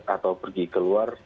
atau pergi keluar